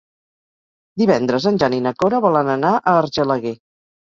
Divendres en Jan i na Cora volen anar a Argelaguer.